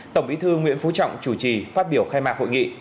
tổng bí thư nguyễn phú trọng chủ trì phát biểu khai mạc hội nghị